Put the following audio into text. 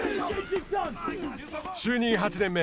就任８年目